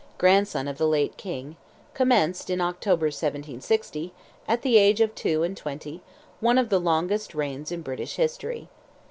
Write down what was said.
grandson of the late king, commenced, in October, 1760, at the age of two and twenty, the longest reign in British history.